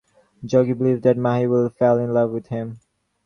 Jogi believes that Mahi will fall in love with him.